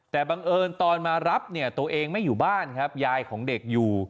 แต่บังเอิญตอนมารับเนี่ยตัวเองไม่อยู่บ้านครับยายของเด็กอยู่